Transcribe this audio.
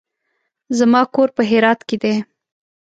زما کور په هرات کې دی.